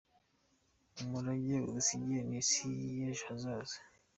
Umurage udusigiye, ni Isi y’ejo hazaza.